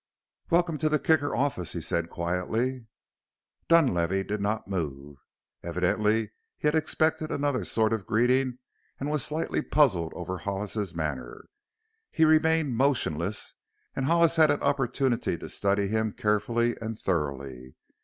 "Welcome to the Kicker office," he said quietly. Dunlavey did not move. Evidently he had expected another sort of greeting and was slightly puzzled over Hollis's manner. He remained motionless and Hollis had an opportunity to study him carefully and thoroughly.